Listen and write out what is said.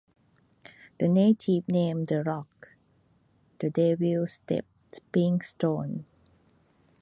The natives named the rocks, "The Devil's Stepping Stones".